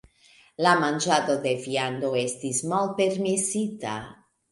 La manĝado de viando estis malpermesita.